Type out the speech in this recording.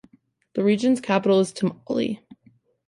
The region's capital is Tamale.